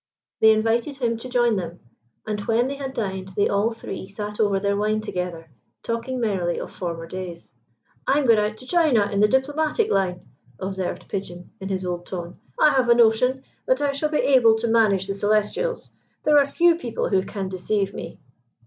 They invited him to join them; and when they had dined they all three sat over their wine together, talking merrily of former days. "I'm going out to China in the diplomatic line," observed Pigeon, in his old tone. "I have a notion that I shall be able to manage the Celestials. There are few people who can deceive me."